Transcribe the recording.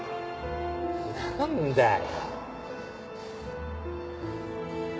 何だよ